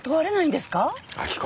明子。